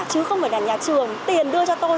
chứ không phải là nhà trường tiền đưa cho tôi